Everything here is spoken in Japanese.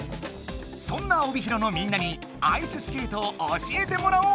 そんな帯広のみんなにアイススケートを教えてもらおう！